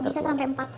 bisa sampai empat sih